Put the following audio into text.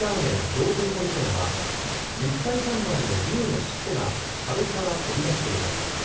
道頓堀店は立体看板の龍の尻尾が壁から飛び出しています。